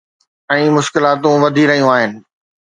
۽ مشڪلاتون وڌي رهيون آهن.